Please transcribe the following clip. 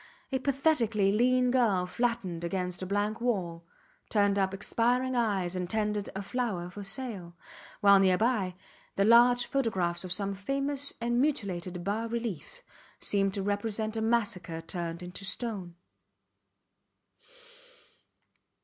A pathetically lean girl flattened against a blank wall, turned up expiring eyes and tendered a flower for sale; while, near by, the large photographs of some famous and mutilated bas reliefs seemed to represent a massacre turned into stone.